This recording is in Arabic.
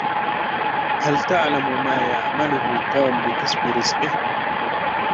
هل تعلم ما يعمله توم لكسب رزقه؟